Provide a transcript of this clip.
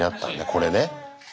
これね。